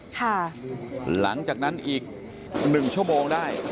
หลังจากนั้นอีกหนึ่งชั่วโมงได้